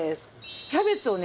キャベツをね